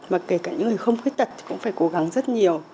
mà kể cả những người không khuyết tật thì cũng phải cố gắng rất nhiều